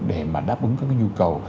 để mà đáp ứng các cái nhu cầu